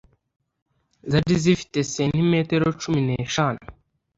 zari zifite sentimetero cumi n'eshanu